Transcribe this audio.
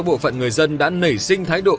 bộ phận người dân đã nảy sinh thái độ